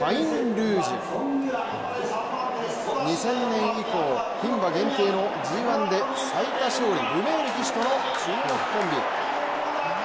２０００年以降、ひん馬限定のＧⅠで最多勝利ルメール騎手との注目コンビ。